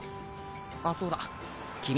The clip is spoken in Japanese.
あそうだ君